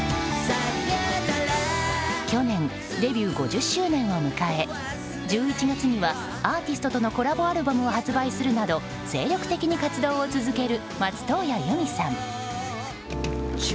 去年デビュー５０周年を迎え１１月にはアーティストとのコラボアルバムを発売するなど精力的に活動を続ける松任谷由実さん。